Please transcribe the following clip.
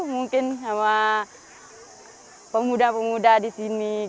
mungkin sama pemuda pemuda disini